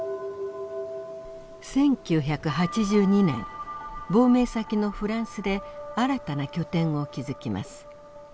１９８２年亡命先のフランスで新たな拠点を築きます。